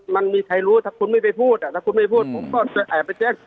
มันมีใครรู้ถ้าคุณไม่ไปพูดถ้าคุณไม่พูดผมก็แอบไปแจ้ง